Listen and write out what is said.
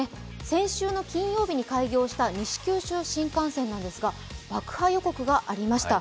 先週の金曜日に開業した西九州新幹線なんですが爆破予告がありました。